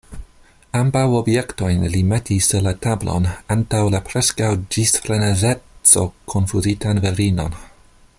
Ambaŭ objektojn li metis sur la tablon antaŭ la preskaŭ ĝis frenezeco konfuzitan virinon.